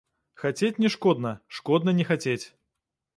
Хацець не шкодна, шкодна не хацець.